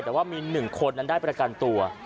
แต่ว่ามีหนึ่งคนนั้นได้ปราการตัว